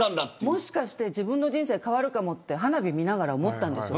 もしかして自分の人生変わるかもと花火見ながら思ったんです。